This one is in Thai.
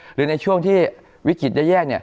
หรือในช่วงที่วิกฤตได้แยก